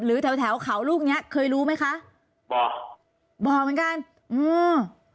แถวแถวเขาลูกเนี้ยเคยรู้ไหมคะบอกบอกเหมือนกันอืม